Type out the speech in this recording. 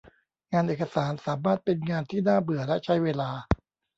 งานเอกสารสามารถเป็นงานที่น่าเบื่อและใช้เวลา